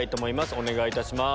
お願いいたします。